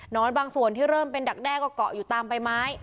บางส่วนที่เริ่มเป็นดักแด้ก็เกาะอยู่ตามใบไม้